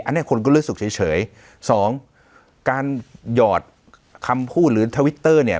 อันเนี้ยคนก็ลืมสุดเฉย๒การหยอดคำพูดหรือทวิกเตอร์เนี่ย